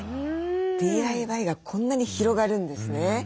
ＤＩＹがこんなに広がるんですね。